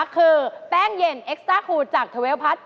คือแป้งเย็นเอ็กซ์ตราคูทจาก๑๒พัท